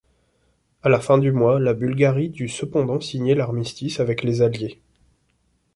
À la fin du mois, la Bulgarie dut cependant signer l'armistice avec les Alliés.